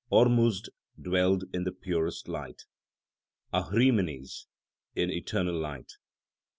Ormuzd dwells in the purest light, Ahrimines in eternal night.